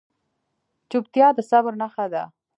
چپتیا، د صبر نښه ده.